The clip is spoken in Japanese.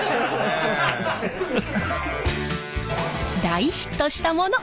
大ヒットしたもの。